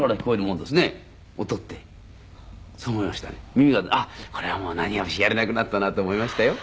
耳があっこれはもう何もやれなくなったなと思いましたよ